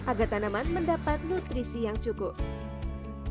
agar tanaman mendapat nutrisi yang cukup